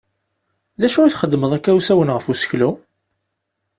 D acu i txeddmeḍ akka usawen ɣef useklu?